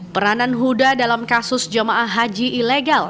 peranan huda dalam kasus jamaah haji ilegal